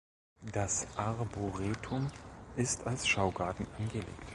Das Arboretum ist als Schaugarten angelegt.